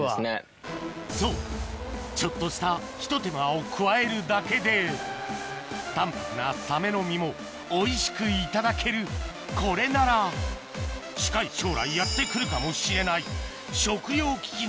そうちょっとしたひと手間を加えるだけで淡泊なサメの身もおいしくいただけるこれなら近い将来やって来るかもしれない